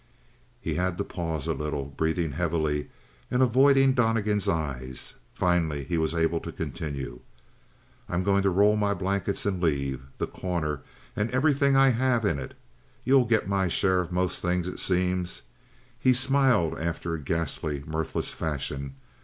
He had to pause a little, breathing heavily, and avoiding Donnegan's eyes. Finally he was able to continue. "I'm going to roll my blankets and leave The Corner and everything I have in it. You'll get my share of most things, it seems." He smiled after a ghastly, mirthless fashion.